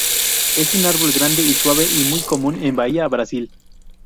Es un árbol grande y suave y muy común en Bahía, Brasil.